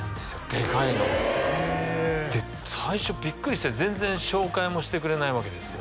でかいのがへえで最初ビックリして全然紹介もしてくれないわけですよ